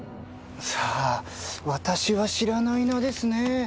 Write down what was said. さぁ私は知らない名ですねぇ。